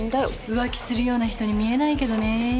浮気するような人に見えないけどね。